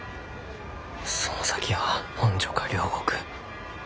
その先は本所か両国。